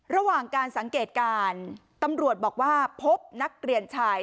ระหว่างการสังเกตการณ์ตำรวจบอกว่าพบนักเรียนชาย